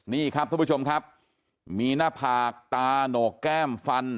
นี่ครับท่านผู้ชมครับมีหน้าผากตาโหนกแก้มฟัน